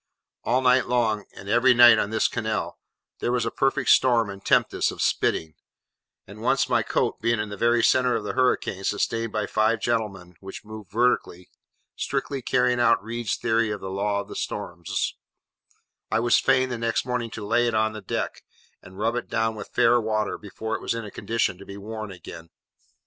All night long, and every night, on this canal, there was a perfect storm and tempest of spitting; and once my coat, being in the very centre of the hurricane sustained by five gentlemen (which moved vertically, strictly carrying out Reid's Theory of the Law of Storms), I was fain the next morning to lay it on the deck, and rub it down with fair water before it was in a condition to be worn again.